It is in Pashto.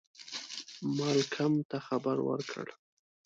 مالکم ته خبر ورکړ.